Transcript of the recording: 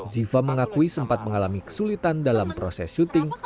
ziva mengakui sempat mengalami kesulitan dalam proses syuting